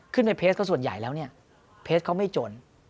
ในเพจก็ส่วนใหญ่แล้วเนี่ยเพจเขาไม่จน